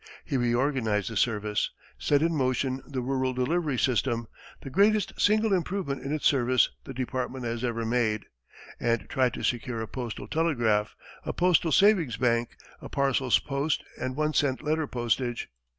He reorganized the service; set in motion the rural delivery system, the greatest single improvement in its service the department has ever made; and tried to secure a postal telegraph, a postal savings bank, a parcels post and one cent letter postage.